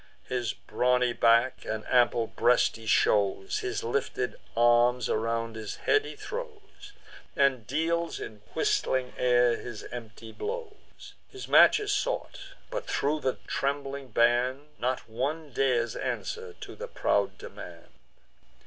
His brawny back and ample breast he shows, His lifted arms around his head he throws, And deals in whistling air his empty blows. His match is sought; but, thro' the trembling band, Not one dares answer to the proud demand.